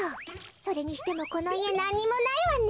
それにしてもこのいえなんにもないわね。